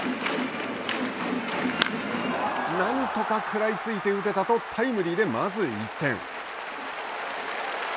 何とか食らいついて打てたとタイムリーで、まず１点。